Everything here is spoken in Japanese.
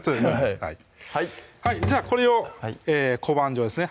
はいじゃあこれを小判状ですね